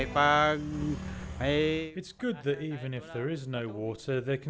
bagus bahwa meskipun tidak ada air masih ada harapan